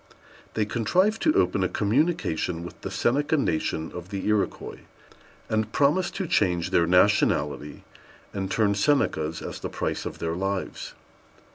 They contrived to open a communication with the Seneca Nation of the Iroquois, and promised to change their nationality and turn Senecas as the price of their lives.